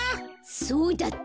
そうだった。